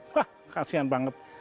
wah kasian banget